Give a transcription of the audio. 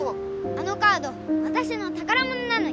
あのカードわたしのたからものなのに！